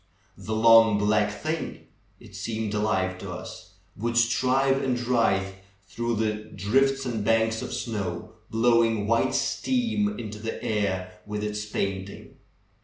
Tlie long, black thing (it seemed alive to us) would strive and writhe through the 160 THE BEND OF THE HILL drifts and banks of snow, blowing white steam into the air with its panting.